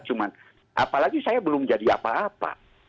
cuman apalagi saya belum jadi apa apa